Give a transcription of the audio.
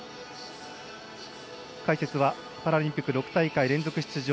解説はパラリンピック６大会連続出場